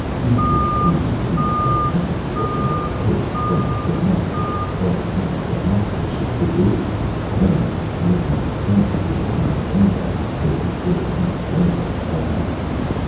We were cruising deep when the missiles hit, and, of course, when we came up, there wasn't much for a hospital ship to do. I mean there isn't any sense fooling around with anybody who's taken a good deep breath of fallout.